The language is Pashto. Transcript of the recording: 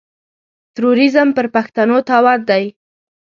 تروريزم پر پښتنو تاوان دی.